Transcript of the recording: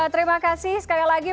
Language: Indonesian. terima kasih sekali lagi